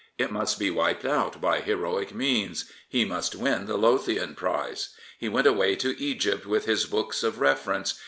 It must be wiped out by heroic means. He must win the Lowthian Prize. He went away to Egypt with his books of reference.